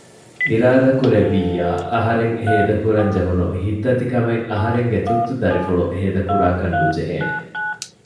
އިރާދަކުރެއްވިއްޔާ އަހަރެން ހޭދަ ކުރަން ޖެހުނު ހިއްތަދިކަމެއް އަހަރެންގެ ތުއްތު ދަރިފުޅު ހޭދަ ކުރާކަށް ނުޖެހޭނެ